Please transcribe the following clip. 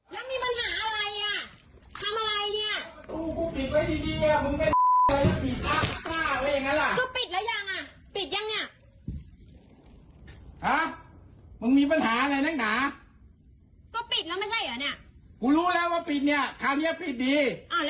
แล้วมีปัญหาอะไรอ่ะทำอะไรเนี่ย